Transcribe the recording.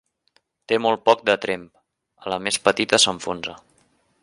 Té molt poc de tremp: a la més petita s'enfonsa.